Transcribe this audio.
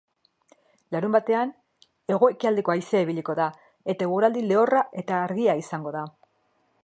Larunbatean, hego-ekialdeko haizea ibiliko da eta eguraldi lehorra eta argia izango da.